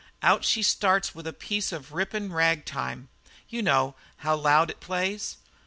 Out she starts with a piece of rippin' ragtime you know how loud it plays?